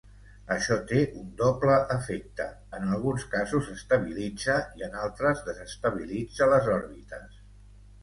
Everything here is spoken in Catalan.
Això té un doble efecte: en alguns casos estabilitza i en altres desestabilitza les òrbites.